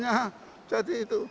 bisa hanya jadi itu